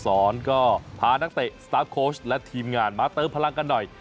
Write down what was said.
สอนก็พานักเตะสตาร์ฟโค้ชและทีมงานมาเติมพลังกันหน่อย